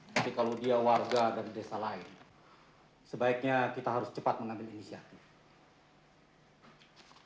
tapi kalau dia warga dari desa lain sebaiknya kita harus cepat mengambil inisiatif